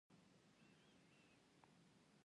دوی به تر هغه وخته پورې کنفرانسونه جوړوي.